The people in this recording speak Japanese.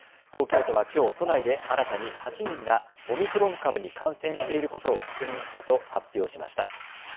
東京都はきょう都内で新たに８人がオミクロン株に感染していることを確認したと発表しました。